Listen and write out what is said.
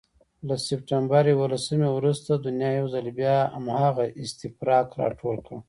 له سپتمبر یوولسمې وروسته دنیا یو ځل بیا هماغه استفراق راټول کړ.